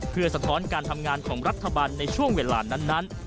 เพื่อสะท้อนการทำงานของรัฐบาลในช่วงเวลานั้น